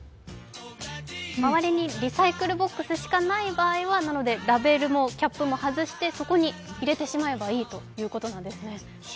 周りにリサイクルボックスしかない場合は、なのでラベルもキャップも外して、そこに入れてしまえばいいということなんですね。